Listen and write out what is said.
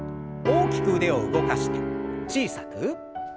大きく腕を動かして小さく。